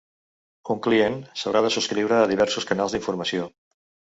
Un client s'haurà de subscriure a diversos canals d'informació.